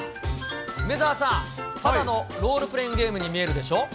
梅澤さん、ただのロールプレイングゲームに見えるでしょう。